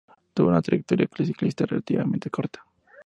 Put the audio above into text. Tuvo una trayectoria ciclística relativamente corta.